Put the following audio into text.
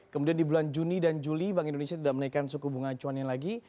kemudian di bulan juni dan juli bank indonesia tidak menaikkan suku bunga acuannya lagi